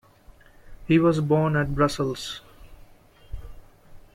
He was born at Brussels.